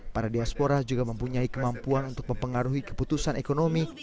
para diaspora juga mempunyai kemampuan untuk mempengaruhi keputusan ekonomi